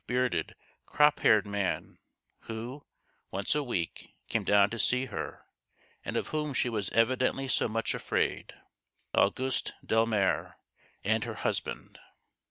153 bearded, crop haired man who, once a week, came down to see her, and of whom she was evidently so much afraid, Auguste Delmare and her husband